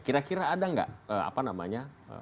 kira kira ada nggak apa namanya